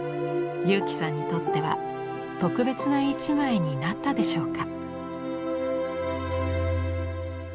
佑基さんにとっては「特別な一枚」になったでしょうか？